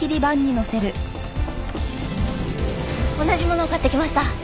同じものを買ってきました。